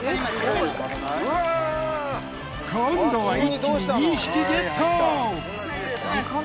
今度は一気に２匹ゲット。